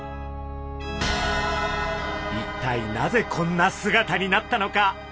一体なぜこんな姿になったのか？